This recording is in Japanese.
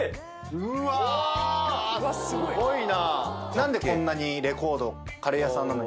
うわすごいな。